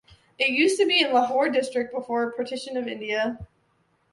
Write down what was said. It used to be in Lahore district before partition of India.